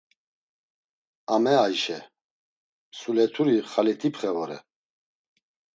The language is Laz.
Ame Ayşe, Msuleturi Xalit̆ipxe vore.